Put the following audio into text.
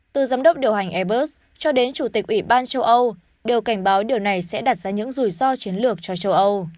từ giám đốc điều hành airbus cho đến chủ tịch ủy ban châu âu đều cảnh báo điều này sẽ đặt ra những rủi ro chiến lược cho châu âu